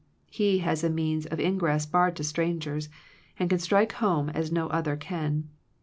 He has a means of ingress barred to strangers, and can strike home as no other can.